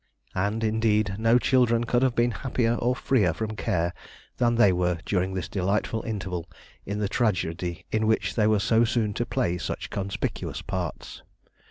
And, indeed, no children could have been happier or freer from care than they were during this delightful interval in the tragedy in which they were so soon to play such conspicuous parts.